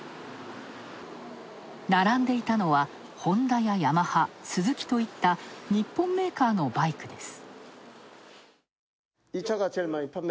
並んでいたのは、ホンダやヤマハスズキといった、日本メーカーのバイクです。